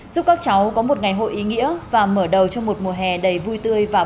giúp các cháu có một ngày hội ý nghĩa và mở đầu trong một mùa hè đầy vui tươi và bối